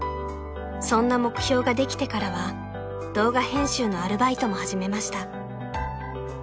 ［そんな目標ができてからは動画編集のアルバイトも始めました］